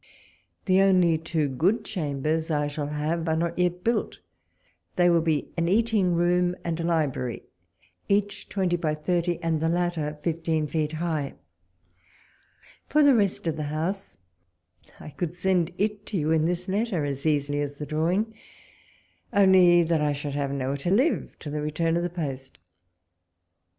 The only two good chambers I shall have are not yet built : they will be an eating room and a library, each twenty by thirty, and the latter fifteen feet high. For the rest of the house, I could send it to you in this letter as easily as the drawing, only that I should have nowhere to live till the return of the post.